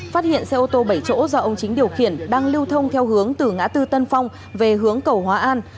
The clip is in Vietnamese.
phát hiện xe ô tô bảy chỗ do ông chính điều khiển đang lưu thông theo hướng từ ngã tư tân phong về hướng cầu hóa an